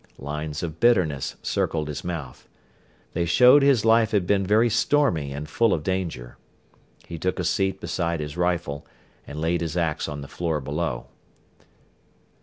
Lines of bitterness circled his mouth. They showed his life had been very stormy and full of danger. He took a seat beside his rifle and laid his ax on the floor below.